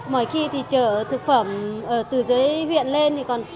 mỗi khi thì chở thực phẩm từ dưới huyện lên